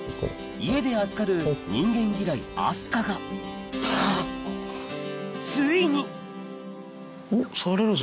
家で預かる人間嫌い明日香がついにおっ。